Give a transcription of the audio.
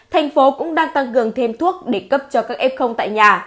thành phố cũng đang tăng cường thêm thuốc để cấp cho các f tại nhà